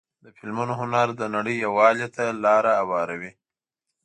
د فلمونو هنر د نړۍ یووالي ته لاره هواروي.